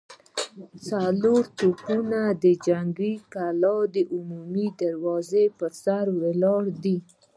څلور توپونه د جنګي کلا د عمومي دروازې پر سر ولاړ دي.